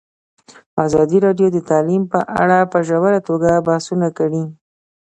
ازادي راډیو د تعلیم په اړه په ژوره توګه بحثونه کړي.